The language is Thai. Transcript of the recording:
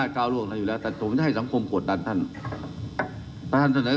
คุณคุ้มไปมาต่อ